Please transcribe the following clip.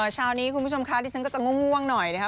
เช้านี้คุณผู้ชมคะดิฉันก็จะง่วงหน่อยนะคะ